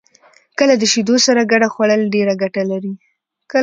کېله د شیدو سره ګډه خوړل ډېره ګټه لري.